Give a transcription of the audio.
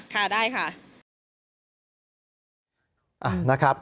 ค่ะได้ค่ะ